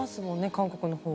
韓国のほうは。